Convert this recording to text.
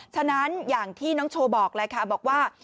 ฉะนั้นอย่างที่น้องโชว์บอกเลยค่ะบอกว่า